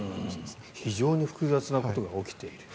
非常に複雑なことが起きている。